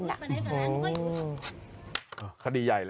โอ้โฮคดีใหญ่เลย